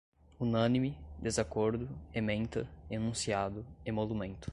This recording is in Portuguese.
unânime, desacordo, ementa, enunciado, emolumento